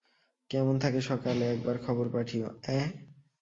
কেমন থাকে সকালে একবার খবর পাঠিও, অ্যাঁ।